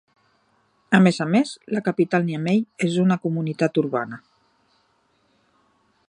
A més a més, la capital Niamey és una comunitat urbana.